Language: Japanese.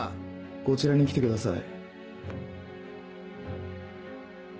こちらに来てください。